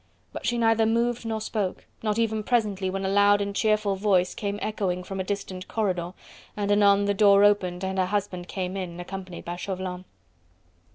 But she neither moved nor spoke, not even presently when a loud and cheerful voice came echoing from a distant corridor, and anon the door opened and her husband came in, accompanied by Chauvelin.